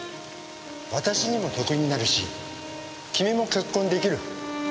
私にも得になるし君も結婚出来る。